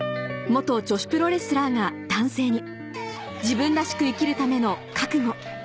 女子プロレスラーが男性に自分らしく生きるための覚悟